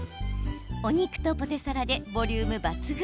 お肉とポテサラでボリューム抜群。